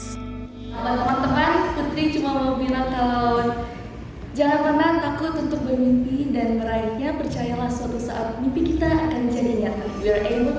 sama teman teman putri cuma mau bilang kalau jangan pernah takut untuk bermimpi dan meraihnya percayalah suatu saat mimpi kita akan jadinya